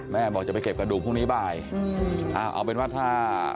บอกจะไปเก็บกระดูกพรุ่งนี้บ่ายเอาเป็นว่าถ้า